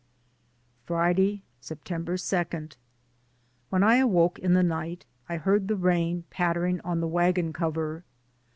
Friday, September 2. When I awoke in the night I heard the rain pattering on the wagon cover.